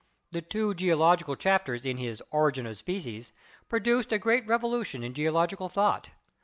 The two geo logical chapters in his "Origin of Species" produced a great revolution in geological thought.